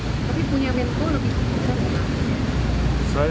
tapi punya mentu lebih besar ya